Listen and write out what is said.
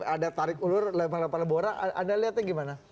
ada tarik ulur lempar lempar lebora anda lihatnya gimana